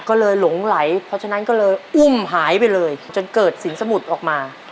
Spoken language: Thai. ก็เลยหลงไหลเพราะฉะนั้นก็เลยอุ้มหายไปเลยจนเกิดสินสมุทรออกมา